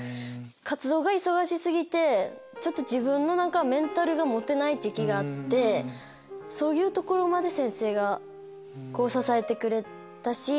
活動が忙し過ぎて自分のメンタルが持たない時期があってそういうところまで先生が支えてくれたし